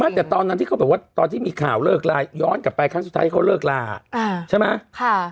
แต่ตอนนั้นที่เขาแบบว่าตอนที่มีข่าวเลิกลาย้อนกลับไปครั้งสุดท้ายเขาเลิกลาใช่ไหม